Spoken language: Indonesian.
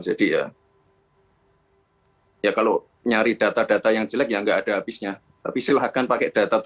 jadi ya kalau nyari data data yang jelek yang enggak ada habisnya tapi silahkan pakai data